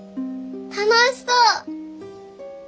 楽しそう！